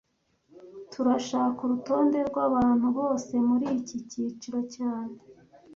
Turashaka urutonde rwabantu bose muriki cyiciro cyane